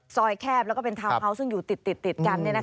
แคบแล้วก็เป็นทาวน์เฮาส์ซึ่งอยู่ติดกัน